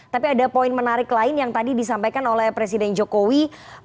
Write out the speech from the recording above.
tapi ada poin menarik lain yang tadi disampaikan oleh presiden jokowi